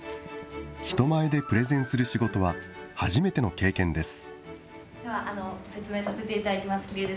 人前でプレゼンする仕事は初めての経験です。